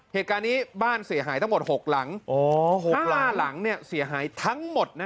เหตุการณ์นี้บ้านเสียหายทั้งหมด๖หลัง๖ล้านหลังเนี่ยเสียหายทั้งหมดนะ